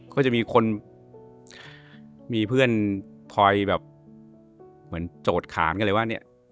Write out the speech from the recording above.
ก็จะมีคนมีเพื่อนคอยแบบเหมือนโจทย์ขานกันเลยว่าเนี่ย